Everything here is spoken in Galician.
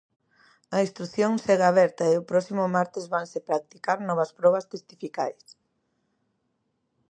A instrución segue aberta e o próximo martes vanse practicar novas probas testificais.